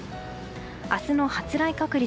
明日の発雷確率。